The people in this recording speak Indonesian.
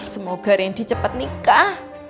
semoga ren di cepet nikah